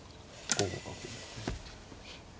５五角。